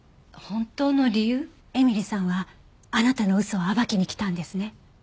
絵美里さんはあなたの嘘を暴きに来たんですね。